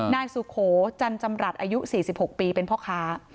นายสุโขจันจำรัฐอายุ๔๖ปีเป็นพ่อค้า